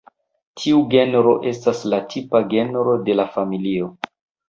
Tiu genro estas la tipa genro de la familio.